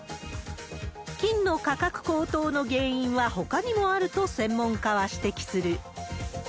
金の価格高騰の原因はほかにもあると専門家は指摘する。